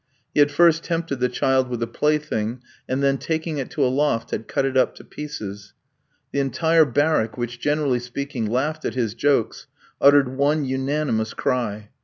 He had first tempted the child with a plaything, and then taking it to a loft, had cut it up to pieces. The entire barrack, which, generally speaking, laughed at his jokes, uttered one unanimous cry.